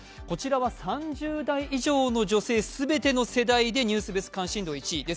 こちらは３０代以上の女性全ての世代でニュース別関心度は１位。